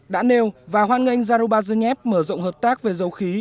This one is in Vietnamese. đã nêu và hoan nghênh zarubazhnev mở rộng hợp tác về dầu khí